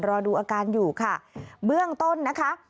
รอดูอาการอยู่ค่ะเบื้องต้นนะคะ